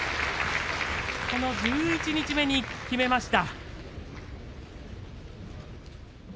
この十一日目に決めました。